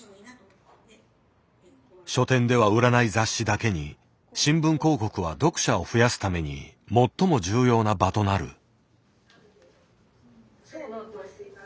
書店では売らない雑誌だけに新聞広告は読者を増やすために最も重要な場となる。